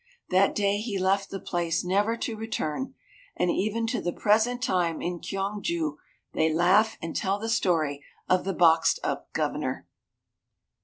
That day he left the place never to return, and even to the present time in Kyong ju they laugh and tell the story of the Boxed up Governor.